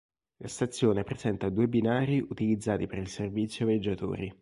La stazione presenta due binari utilizzati per il servizio viaggiatori.